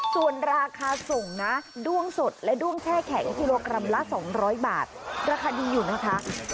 ส่วนราคาส่งนะด้วงสดและด้วงแช่แข็งกิโลกรัมละ๒๐๐บาทราคาดีอยู่นะคะ